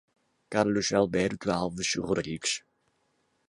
Carlos Alberto Alves Rodrigues